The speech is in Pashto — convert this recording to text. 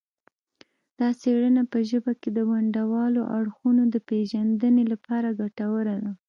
دا څیړنه په ژبه کې د ونډوالو اړخونو د پیژندنې لپاره ګټوره ده